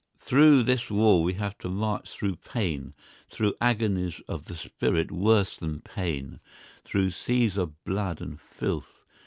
Through this war we have to march, through pain, through agonies of the spirit worse than pain, through seas of blood and filth.